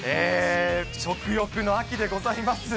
食欲の秋でございます。